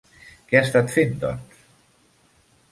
Què ha estat fent, doncs?